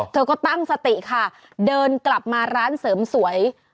เธอก็ตั้งสติค่ะเดินกลับมาร้านเสริมสวย